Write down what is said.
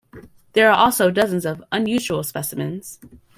There are also dozens of unusual specimens.